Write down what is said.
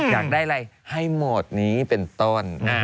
อยากได้อะไรให้โหมดนี้เป็นต้น